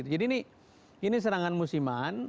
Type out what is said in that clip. jadi ini serangan musiman